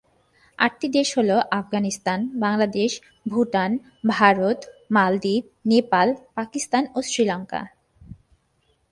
আটটি দেশ হলো: আফগানিস্তান, বাংলাদেশ, ভুটান, ভারত, মালদ্বীপ, নেপাল, পাকিস্তান ও শ্রীলঙ্কা।